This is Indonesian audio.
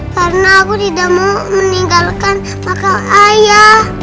karena aku tidak mau meninggalkan makam ayah